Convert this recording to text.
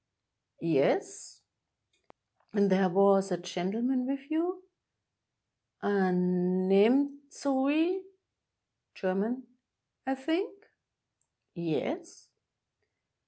"Yes." "And there was a gentleman with you — a Nemtzo wee [German], I think?" "Yes."